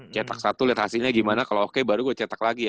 cetak satu liat hasilnya gimana kalo oke baru gua cetak lagi ya